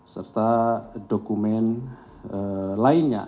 serta dokumen lainnya